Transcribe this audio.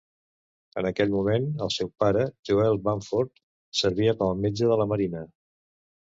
En aquell moment, el seu pare, Joel Bamford, servia com a metge de la marina.